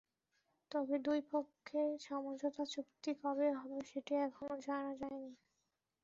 তবে দুই পক্ষের সমঝোতা চুক্তি কবে হবে, সেটি এখনো জানা যায়নি।